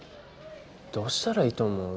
どうしたらいいと思う？